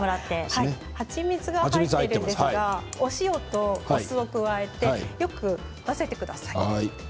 蜂蜜が入っていますがお塩とお酢を加えてよく混ぜてください。